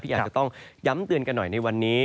อาจจะต้องย้ำเตือนกันหน่อยในวันนี้